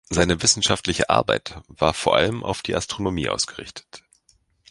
Seine wissenschaftliche Arbeit war vor allem auf die Astronomie ausgerichtet.